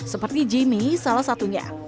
seperti jimmy salah satunya